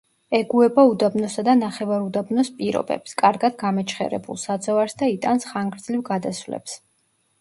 ეგუება უდაბნოსა და ნახევარუდაბნოს პირობებს, კარგად გამეჩხერებულ საძოვარს და იტანს ხანგრძლივ გადასვლებს.